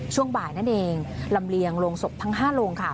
ช่วงบ่ายนั่นเองลำเลียงโรงศพทั้ง๕โรงค่ะ